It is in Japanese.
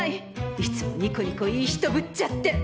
いつもニコニコいい人ぶっちゃって！